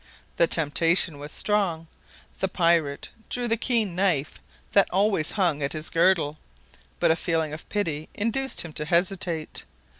The temptation was strong. The pirate drew the keen knife that always hung at his girdle, but a feeling of pity induced him to hesitate.